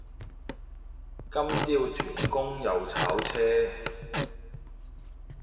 今朝屯公又炒車